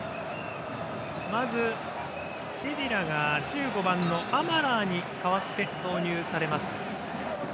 シェディラが１５番のアマラーに代わって起用されます。